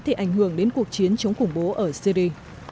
thì ảnh hưởng đến cuộc chiến chống khủng bố ở syri